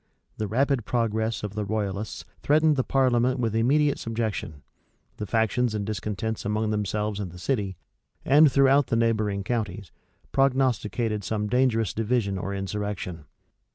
The rapid progress of the royalists threatened the parliament with immediate subjection: the factions and discontents among themselves in the city, and throughout the neighboring counties, prognosticated some dangerous division or insurrection.